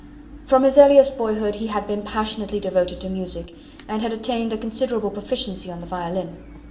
From his earliest boyhood he had been passionately devoted to music, and had attained a considerable proficiency on the violin.